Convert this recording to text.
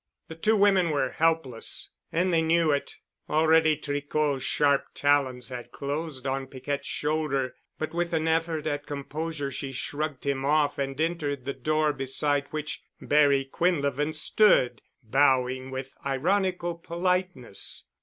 The two women were helpless and they knew it. Already Tricot's sharp talons had closed on Piquette's shoulder, but with an effort at composure she shrugged him off and entered the door beside which Barry Quinlevin stood, bowing with ironical politeness.